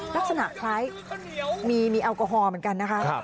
ลักษณะคล้ายมีแอลกอฮอล์เหมือนกันนะคะ